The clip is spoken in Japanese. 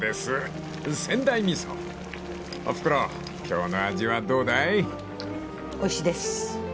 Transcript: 今日の味はどうだい？］